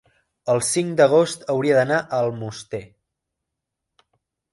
el cinc d'agost hauria d'anar a Almoster.